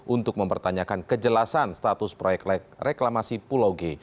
untuk mempertanyakan kejelasan status proyek reklamasi pulau g